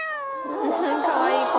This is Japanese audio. かわいい声。